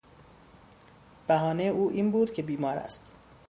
بهانهی او این بود که بیمار است.